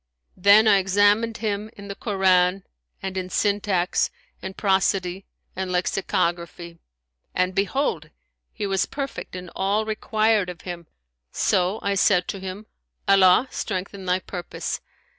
Then I examined him in the Koran and in syntax and prosody and lexicography; and behold, he was perfect in all required of him, so I said to him, Allah strengthen thy purpose!